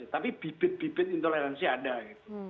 tapi bibit bibit intoleransi ada gitu